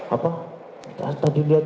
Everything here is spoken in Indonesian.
apa tadi liat